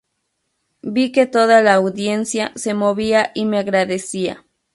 Vi que toda la audiencia se movía y me agradecía.